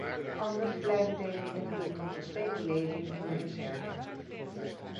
Anders blijven deze middelen tot de tweede lezing in de reserve.